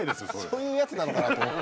そういうやつなのかなと思う。